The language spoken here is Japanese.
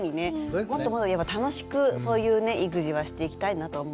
もっともっと楽しくそういうね育児はしていきたいなと思います。